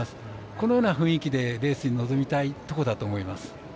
このような雰囲気でレースに臨みたいところだと思います。